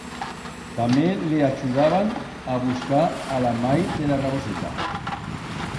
Tamé le achudaban a buscar a la mai de la Raboseta.